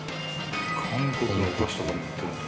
韓国のお菓子とか売ってるんだ。